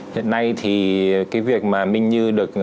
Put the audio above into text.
hiện nay thì cái việc mà minh như được